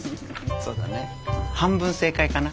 そうだね半分正解かな。